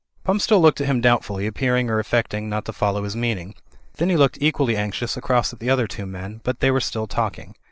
Pump still looked at him doubtfully, appearing or affecting not to follow his meaning. Then he looked equally anxiously across at the other two men; but they were still talking.